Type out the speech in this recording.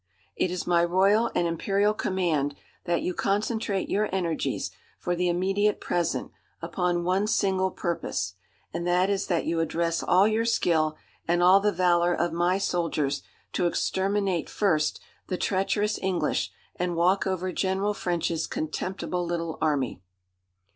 "It is my Royal and Imperial Command that you concentrate your energies, for the immediate present, upon one single purpose, and that is that you address all your skill and all the valour of my soldiers to exterminate first the treacherous English and walk over General French's contemptible little army.